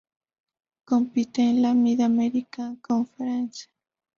Compiten en la Mid-American Conference.